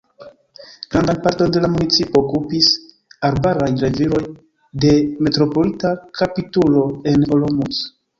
Grandan parton de la municipo okupis arbaraj reviroj de Metropolita kapitulo en Olomouc.